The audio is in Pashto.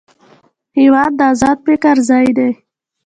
هېواد د ازاد فکر ځای دی.